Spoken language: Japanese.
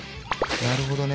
なるほどね。